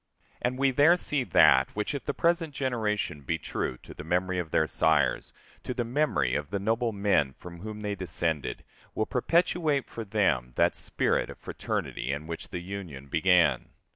And we there see that which, if the present generation be true to the memory of their sires, to the memory of the noble men from whom they descended, will perpetuate for them that spirit of fraternity in which the Union began.